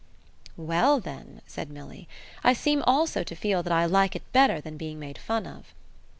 "Well then," said Milly, "I seem also to feel that I like it better than being made fun of."